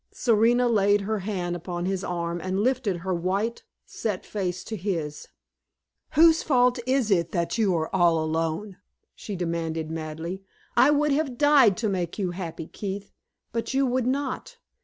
Serena laid her hand upon his arm and lifted her white, set face to his. "Whose fault is it that you are all alone?" she demanded, madly. "I would have died to make you happy, Keith; but you would not.